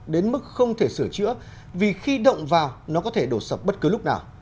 đến mức không thể sửa chữa vì khi động vào nó có thể đổ sập bất cứ lúc nào